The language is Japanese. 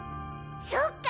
そっか！